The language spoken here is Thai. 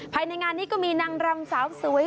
ภายในงานนี้ก็มีนางรำสาวสวย